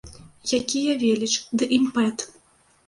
Якія веліч ды імпэт!